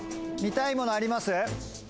見たいものあります？